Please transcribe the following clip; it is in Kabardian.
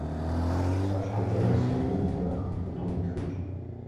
Арщхьэкӏэ ар Сатэн идакъым: - Къытомытхыкӏ.